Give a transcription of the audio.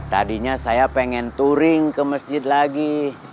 tadinya saya pengen touring ke masjid lagi